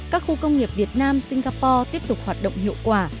các khu công nghiệp việt nam singapore tiếp tục hoạt động hiệu quả